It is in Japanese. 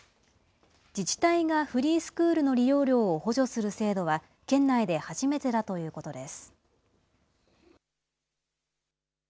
自治体がフリースクールの利用料を補助する制度は県内で初めてだということです。